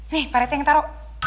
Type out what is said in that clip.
nih paret teh yang taro